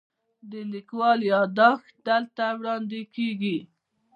د لیکوال یادښت دلته وړاندې کیږي.